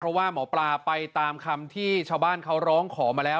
เพราะว่าหมอปลาไปตามคำที่ชาวบ้านเขาร้องขอมาแล้ว